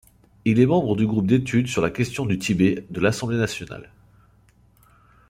Il est membre du groupe d'études sur la question du Tibet de Assemblée nationale.